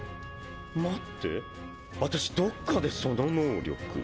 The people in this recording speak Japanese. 待ってアタシどっかでその能力。